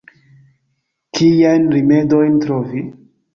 Kiajn rimedojn trovi?